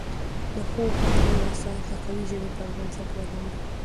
د ښو ښوونځیو اساس د قوي ژبې پر بنسټ ولاړ وي.